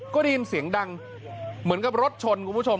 ก็ได้ยินเสียงดังเหมือนกับรถชนคุณผู้ชม